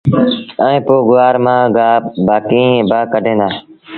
ائيٚݩ پو گُوآر مآݩ گآه باڪڍين دآ۔